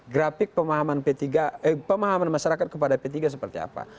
grafik pemahaman p tiga eh pemahaman masyarakat kepada p tiga seperti apa